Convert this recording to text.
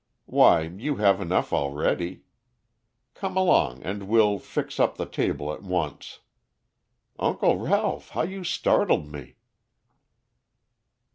Why, you have enough already. Come along and we'll 'fix' up the table at once. Uncle Ralph, how you startled me."